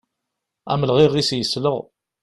Amelɣiɣ-is yesleɣ.